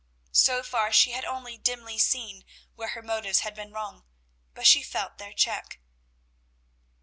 So far she had only dimly seen where her motives had been wrong, but she felt their check.